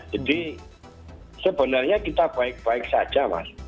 jadi sebenarnya kita baik baik saja mas